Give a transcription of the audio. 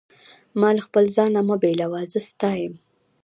ما له خپل ځانه مه بېلوه، زه ستا یم.